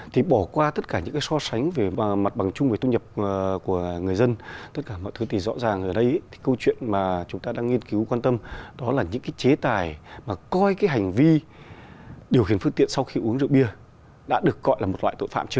thì bỏ qua tất cả những cái so sánh về mặt bằng chung về thu nhập của người dân tất cả mọi thứ thì rõ ràng ở đây thì câu chuyện mà chúng ta đang nghiên cứu quan tâm đó là những cái chế tài mà coi cái hành vi điều khiển phương tiện sau khi uống rượu bia đã được gọi là một loại tội phạm